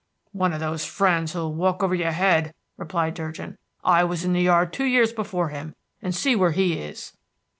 "One of those friends who walk over your head," replied Durgin. "I was in the yard two years before him, and see where he is."